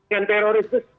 yang teroris itu